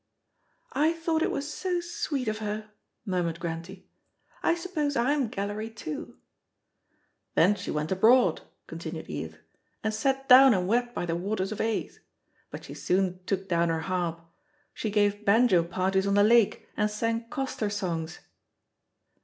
"I thought it was so sweet of her," murmured Grantie. "I suppose I'm gallery too." "Then she went abroad," continued Edith, "and sat down and wept by the waters of Aix. But she soon took down her harp. She gave banjo parties on the lake, and sang coster songs."